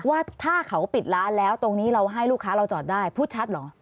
ว่าถ้าเขาปิดร้านแล้วตรงนี้เราให้ลูกค้าเราจอดได้พูดชัดเหรอ